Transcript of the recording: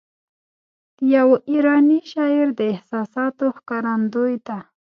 د یوه ایراني شاعر د احساساتو ښکارندوی ده.